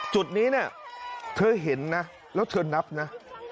จุดนี้เนี่ยเธอเห็นนะแล้วเธอนับนะ